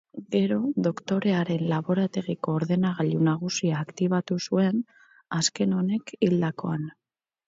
Gero Doktorearen laborategiko ordenagailu nagusia aktibatu zuen azken honek hildakoan.